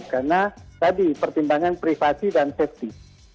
karena tadi pertimbangan privasi dan safety